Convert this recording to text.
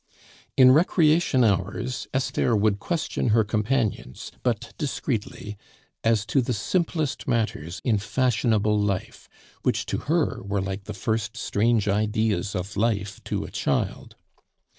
In recreation hours Esther would question her companions, but discreetly, as to the simplest matters in fashionable life, which to her were like the first strange ideas of life to a child.